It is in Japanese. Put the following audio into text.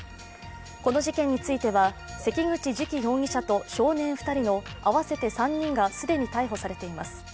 この事件については、関口寿喜容疑者と少年２人の合わせて３人が既に逮捕されています。